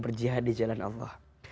berjihad di jalan allah